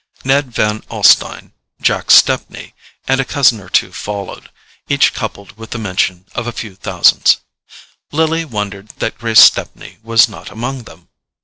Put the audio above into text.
Ned Van Alstyne, Jack Stepney, and a cousin or two followed, each coupled with the mention of a few thousands: Lily wondered that Grace Stepney was not among them.